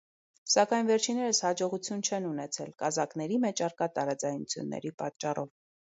Սակայն վերջիններս հաջողություն չեն ունեցել՝ կազակների մեջ առկա տարաձայնությունների պատճառով։